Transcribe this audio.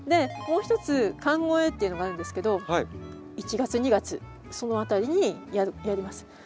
もう一つ寒肥っていうのがあるんですけど１月２月そのあたりにやります。